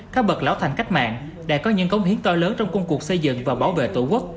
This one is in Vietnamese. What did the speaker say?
các bậc lão thành cách mạng đã có những công hiến to lớn trong công cuộc xây dựng và bảo vệ tổ quốc